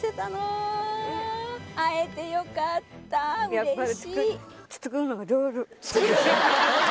やっぱり。